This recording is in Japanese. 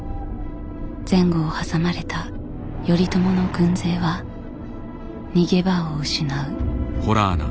前後を挟まれた頼朝の軍勢は逃げ場を失う。